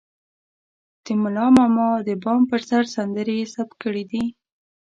د ملا ماما د بام پر سر سندرې يې ثبت کړې دي.